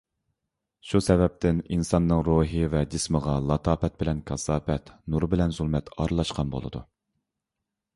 شۇ سەۋەبتىن ئىنساننىڭ روھى ۋە جىسمىغا لاتاپەت بىلەن كاساپەت، نۇر بىلەن زۇلمەت ئارىلاشقان بولىدۇ.